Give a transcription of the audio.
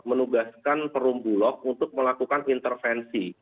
menugaskan perumbulok untuk melakukan intervensi